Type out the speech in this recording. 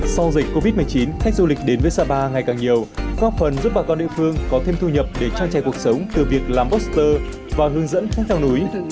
sau dịch covid một mươi chín khách du lịch đến với sapa ngày càng nhiều góp phần giúp bà con địa phương có thêm thu nhập để trang trải cuộc sống từ việc làm oster và hướng dẫn khách theo núi